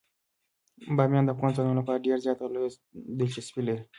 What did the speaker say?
بامیان د افغان ځوانانو لپاره ډیره زیاته او لویه دلچسپي لري.